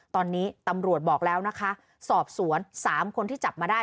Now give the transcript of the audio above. ตอนนี้ตำรวจบอกแล้วนะคะสอบสวน๓คนที่จับมาได้